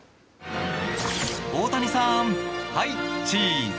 大谷さん、ハイチーズ。